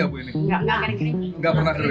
enggak pernah kering